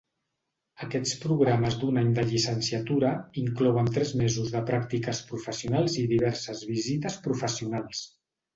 Aquests programes d'un any de llicenciatura inclouen tres mesos de pràctiques professionals i diverses visites professionals.